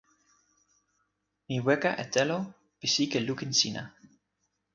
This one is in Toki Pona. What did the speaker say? mi weka e telo pi sike lukin sina.